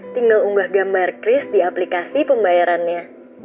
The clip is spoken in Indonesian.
tinggal unggah gambar kris di aplikasi pembayarannya